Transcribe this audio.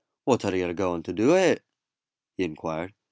"What are yer goin' to do wi' it?" he inquired.